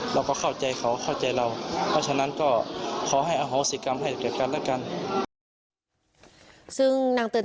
เราก็เข้าใจเขาเข้าใจเราขอให้เล่ากันกัน